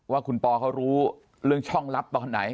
ว่าคุณปอเขารู้เรื่องช่องลับตอนไหน